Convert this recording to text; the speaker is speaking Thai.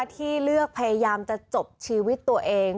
ที่เลือกพยายามจะจบชีวิตตัวเอง